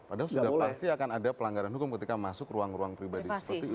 padahal sudah pasti akan ada pelanggaran hukum ketika masuk ke ruang ruang pribadi